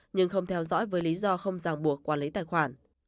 nhưng không theo dõi với lý do không giảng buộc quản lý tài khoản